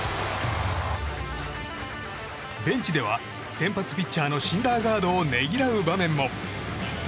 ベンチでは先発ピッチャーのシンダーガードをねぎらう場面も。